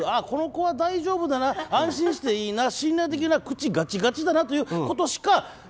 この子は大丈夫だな安心していいな信頼できるな口ガチガチだなということしか。